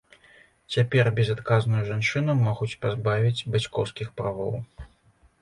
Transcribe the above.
Цяпер безадказную жанчыну могуць пазбавіць бацькоўскіх правоў.